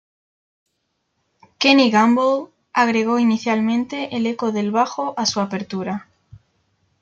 Kenny Gamble agregó inicialmente el eco del bajo a su apertura.